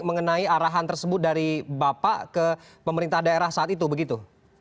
mengenai arahan tersebut dari bapak ke pemerintah daerah saat itu begitu